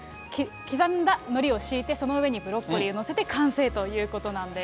刻んだのりを敷いて、その上にブロッコリーを載せて完成ということなんです。